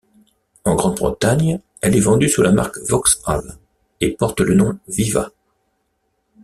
En Grande-Bretagne, elle est vendue sous la marque Vauxhall et porte le nom Viva.